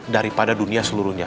daripada dunia seluruhnya